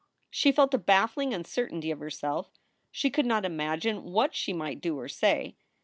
She felt a baffling uncertainty of herself. She could not imagine what she might do or say.